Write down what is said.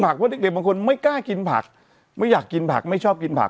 เพราะเด็กบางคนไม่กล้ากินผักไม่อยากกินผักไม่ชอบกินผัก